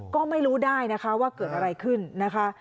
ก็ไม่รู้ได้นะคะว่าเกิดอะไรขึ้นนะคะ